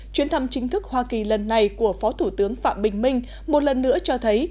chuyến thăm chính thức hoa kỳ lần này của phó thủ tướng phạm bình minh một lần nữa cho thấy